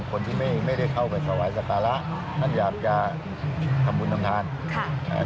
หากคนที่ไม่ได้เข้าสหายสตรระนั่นอยากจะทำบุญนำทาน